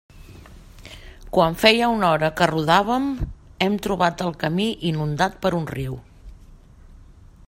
Quan feia una hora que rodàvem, hem trobat el camí inundat per un riu.